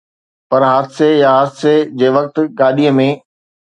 پر حادثي يا حادثي جي وقت گاڏي ۾